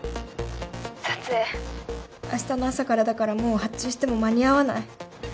撮影明日の朝からだからもう発注しても間に合わない